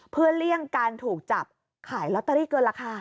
เพื่อเลี่ยงการถูกจับขายลอตเตอรี่เกินราคา